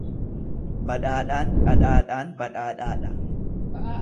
Badhaadhaan dhadhaadhaan badhaadhaadha.